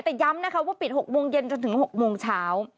แต่ย้ำนะคะว่าปิด๖โมงเย็นจนถึง๖โมงเช้า